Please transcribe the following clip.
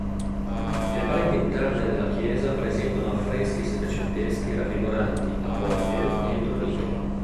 Le pareti interne della chiesa presentano affreschi settecenteschi raffiguranti "Apostoli" entro nicchie.